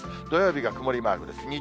土曜日が曇りマークです。